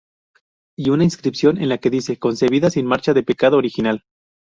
Y una inscripción en la que dice: "Concebida sin mancha de pecado original".